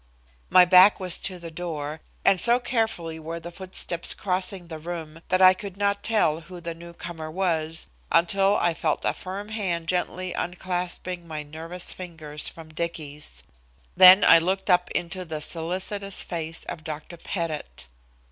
My back was to the door, and so careful were the footsteps crossing the room that I could not tell who the newcomer was until I felt a firm hand gently unclasping my nervous fingers from Dicky's. Then I looked up into the solicitous face of Dr. Pettit.